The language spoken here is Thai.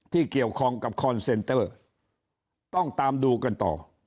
ที่เกี่ยวข้องกับคอนเซนเตอร์ต้องตามดูกันต่อ